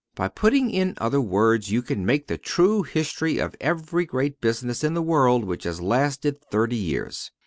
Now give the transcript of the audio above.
By putting in other words, you can make the true history of every great business in the world which has lasted thirty years.